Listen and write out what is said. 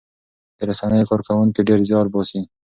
د رسنیو کارکوونکي ډېر زیار باسي.